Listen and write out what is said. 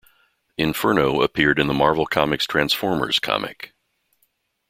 Inferno appeared in the Marvel Comics Transformers comic.